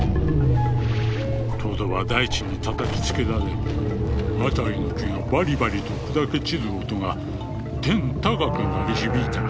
「トドは大地に叩きつけられ辺りの木がバリバリと砕け散る音が天高く鳴り響いた」。